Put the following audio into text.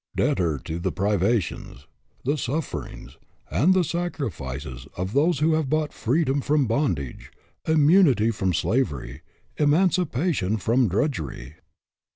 Debtor to the privations, the sufferings, and the sacrifices of those who have bought freedom from bond age, immunity from slavery, emancipation from drudgery."